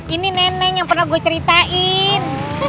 ini nenek yang pernah gue ceritain